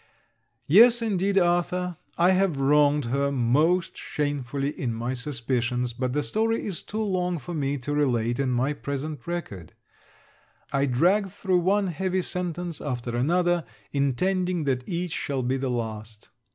Yes, indeed, Arthur, I have wronged her most shamefully in my suspicions, but the story is too long for me to relate in my present record. I drag through one heavy sentence after another, intending that each shall be the last.